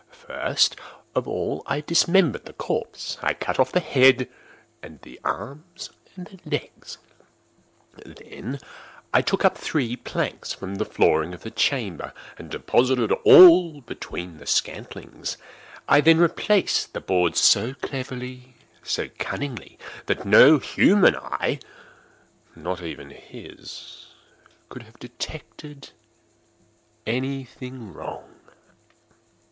First of all I dismembered the corpse. I cut off the head and the arms and the legs. I then took up three planks from the flooring of the chamber, and deposited all between the scantlings. I then replaced the boards so cleverly, so cunningly, that no human eye—not even his—could have detected any thing wrong.